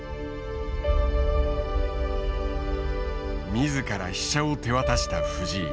自ら飛車を手渡した藤井。